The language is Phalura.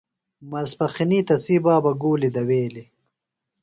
ماسپخِنی تسی بابہ گُولیۡ دویلیۡ۔